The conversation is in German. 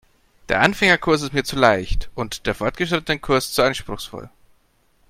Der Anfängerkurs ist mir zu leicht und der Fortgeschrittenenkurs zu anspruchsvoll.